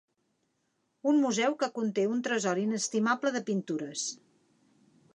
Un museu que conté un tresor inestimable de pintures.